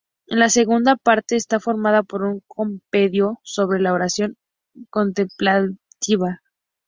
La segunda parte está formada por un compendio sobre la oración contemplativa.